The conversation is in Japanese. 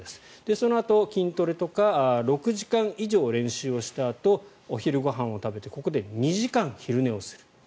そのあと、筋トレとか６時間以上練習をしたあとお昼ご飯を食べてここで２時間昼寝をする。